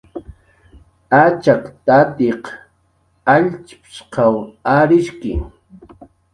"Achak tatiq allchp""shq arishki"